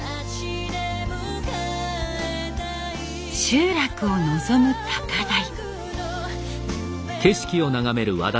集落を望む高台。